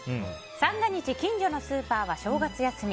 三が日近所のスーパーは正月休み。